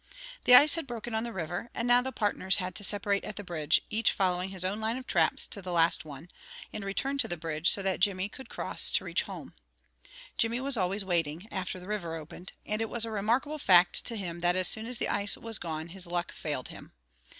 The ice had broken on the river, and now the partners had to separate at the bridge, each following his own line of traps to the last one, and return to the bridge so that Jimmy could cross to reach home. Jimmy was always waiting, after the river opened, and it was a remarkable fact to him that as soon as the ice was gone his luck failed him.